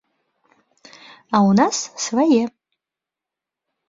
А ў нас свае!